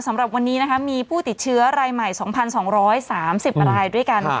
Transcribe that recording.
สำหรับวันนี้นะคะมีผู้ติดเชื้อรายใหม่๒๒๓๐รายด้วยกัน